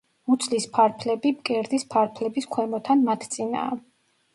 მუცლის ფარფლები მკერდის ფარფლების ქვემოთ ან მათ წინაა.